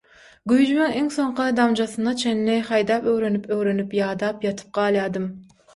Güýjümiň iňsoňky damjasyna çenli haýdap öwrenip-öwrenip ýadap ýatyp galýadym.